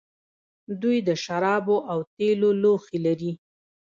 دوی د شرابو او تیلو لوښي لرل